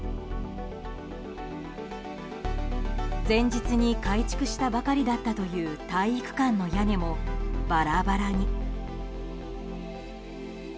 前日に改築したばかりだったという体育館の屋根もバラバラに。